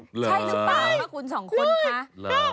ใช่หรือเปล่าคะคุณสองคนคะ